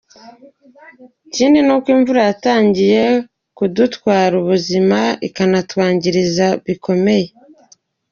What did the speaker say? Ikindi ni uko imvura yatangiye kudutwara ubuzima, ikanatwangiriza bikomeye.